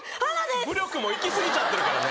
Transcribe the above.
武力もいきすぎちゃってるからね